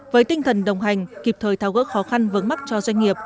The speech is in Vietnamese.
với tinh thần đồng hành kịp thời tháo gỡ khó khăn vớn mắc cho doanh nghiệp